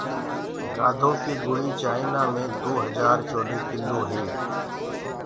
گآڌو ڪيٚ گُݪيٚ چآئنآ مي دو هجآر چوڏي ڪلو هي